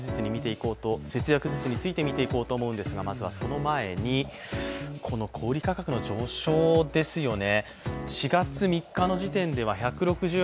節約術についてみていこうと思うんですがまずはその前にこの小売価格の上昇ですよね。